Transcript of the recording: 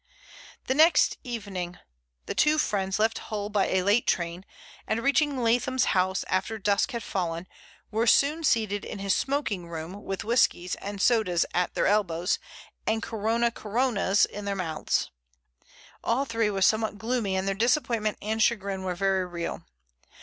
The next evening the two friends left Hull by a late train, and reaching Leatham's house after dusk had fallen, were soon seated in his smoking room with whiskies and sodas at their elbows and Corona Coronas in their mouths. All three were somewhat gloomy, and their disappointment and chagrin were very real.